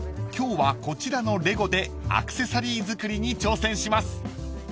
［今日はこちらのレゴでアクセサリー作りに挑戦します］